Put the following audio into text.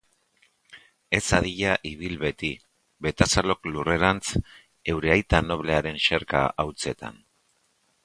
Ez hadila ibil beti, betazalok lurrerantz, heure aita noblearen xerka hautsetan.